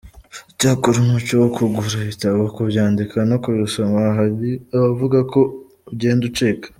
Icyakora umuco wo kugura ibitabo, kubyandika no kubisoma hari abavuga ko ugenda ucika.